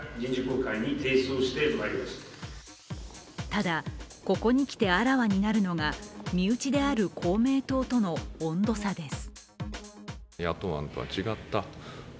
ただ、ここにきてあらわになるのが身内である公明党との温度差です。